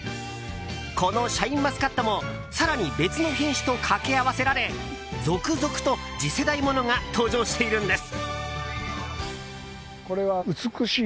このシャインマスカットも更に別の品種と掛け合わせられ続々と次世代ものが登場しているんです。